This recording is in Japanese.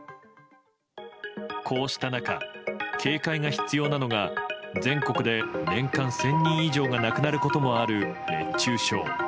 こうした中、警戒が必要なのが全国で年間１０００人以上が亡くなることもある熱中症。